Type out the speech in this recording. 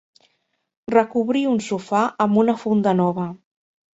Recobrir un sofà amb una funda nova.